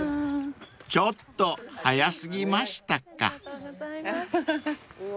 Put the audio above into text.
［ちょっと早過ぎましたか］